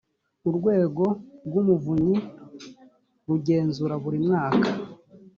urwego rw umuvunyi rugenzura buri mwaka